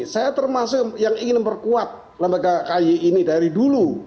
saya termasuk yang ingin memperkuat lembaga kay ini dari dulu